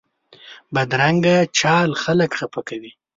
بدرنګه چال خلک خفه کوي